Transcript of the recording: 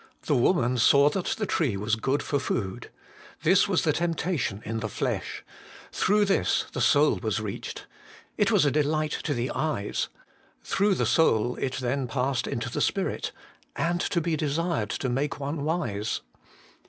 'The woman saw that the tree was good for food/ this was the temptation in the flesh ; through this the soul was reached, ' it was a delight to the eyes ;' through the soul it then passed into the spirit, ' and to be desired to make one wise.'